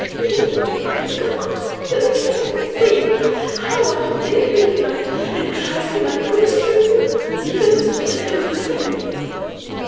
You don't, you can't, you never can, think, how I have lain awake at night and cried for my good Sophronia, my first and only friend!